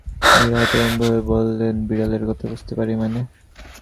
মীরা হতভম্ব হয়ে বললেন, বিড়ালের কথা বুঝতে পারি মানে!